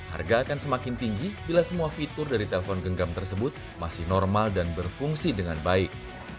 harga akan semakin tinggi bila semua fitur dari telpon genggam tersebut masih normal dan berfungsi dengan baik